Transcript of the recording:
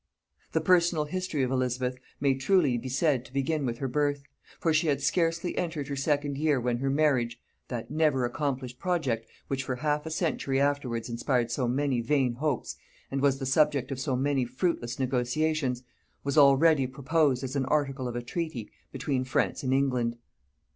The personal history of Elizabeth may truly be said to begin with her birth; for she had scarcely entered her second year when her marriage that never accomplished project, which for half a century afterwards inspired so many vain hopes and was the subject of so many fruitless negotiations, was already proposed as an article of a treaty between France and England.